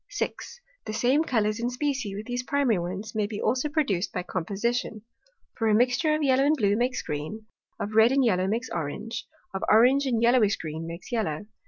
6. The same Colours in Specie with these primary Ones, may be also produced by Composition: For, a mixture of Yellow and Blue makes Green; of Red and Yellow, makes Orange; of Orange and Yellowish Green, makes Yellow.